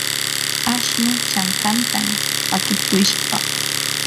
ashnuu chankantam pakikushqa.